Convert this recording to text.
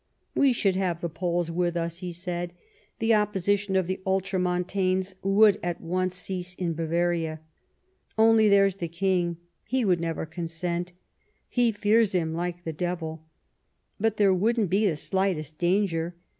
"We should have the Poles with us," he said; "the opposition of the Ultramontanes would at once cease in Bavaria. Only there's the King ; he would never consent ; he fears him like the devil. But there wouldn't be the slightest danger.